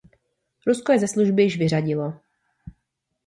Rusko je ze služby již vyřadilo.